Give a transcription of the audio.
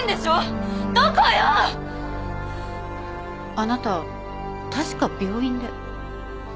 あなた確か病院で。